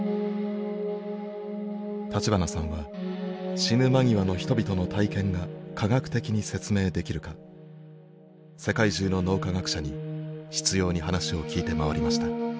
立花さんは死ぬ間際の人々の体験が科学的に説明できるか世界中の脳科学者に執拗に話を聞いて回りました。